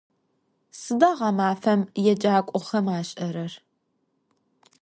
Sıda ğemafem yêcak'oxem aş'erer?